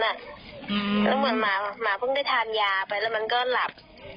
แล้วเหมือนหมาเพิ่งได้ทานยาไปแล้วมันก็หลับ